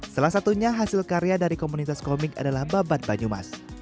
salah satunya hasil karya dari komunitas komik adalah babat banyumas